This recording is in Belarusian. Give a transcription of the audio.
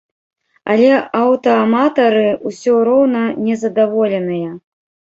Але аўтааматары ўсё роўна незадаволеныя.